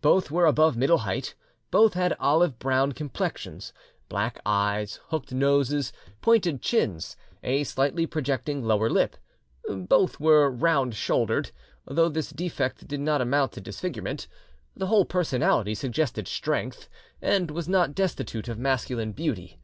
Both were above middle height; both had olive brown complexions, black eyes, hooked noses, pointed chins, a slightly projecting lower lip; both were round shouldered, though this defect did not amount to disfigurement: the whole personality suggested strength, and was not destitute of masculine beauty.